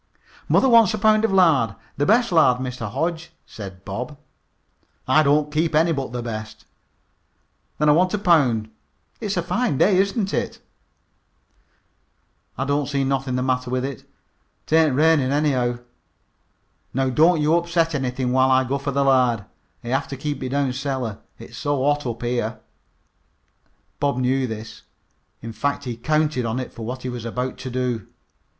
"Mother wants a pound of lard the best lard, Mr. Hodge," said Bob. "I don't keep any but the best." "Then I want a pound. It's a fine day, isn't it?" "I don't see nothin' the matter with it. 'Tain't rainin' anyhow. Now don't you upset anything while I go fer the lard. I have t' keep it down cellar, it's so hot up here." Bob knew this. In fact, he counted on it for what he was about to do.